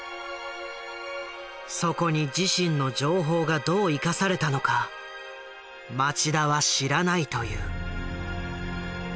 そこに自身の情報がどう生かされたのか町田は知らないという。